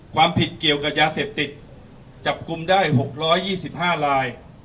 ความผิดเกี่ยวกับยาเสพติดจับกลุ่มได้๖๒๕ลาย